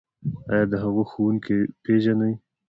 ایا د هغوی ښوونکي پیژنئ؟